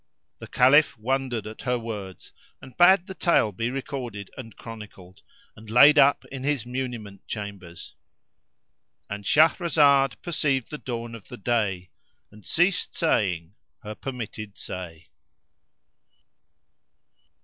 The Caliph wondered at her words and bade the tale be recorded and chronicled and laid up in his muniment chambers.—And Shahrazad perceived the dawn of day and ceased saying her permitted say.